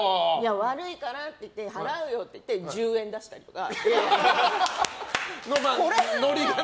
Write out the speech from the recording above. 悪いからって言って払うよって言って１０円出したりとか。